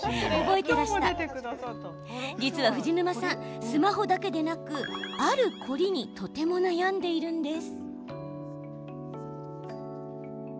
実は藤沼さん、スマホだけでなくある凝りにとても悩んでいるんです。